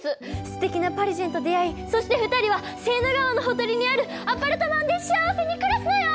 すてきなパリジェンと出会いそして２人はセーヌ川のほとりにあるアパルトマンで幸せに暮らすのよ！